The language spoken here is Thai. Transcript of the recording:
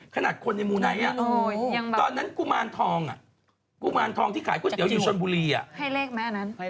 ขนาดคนในมูไนท์ตอนนั้นกุมารทองกุมารทองที่ขายก๋วเตี๋อยู่ชนบุรีให้เลขไหมอันนั้น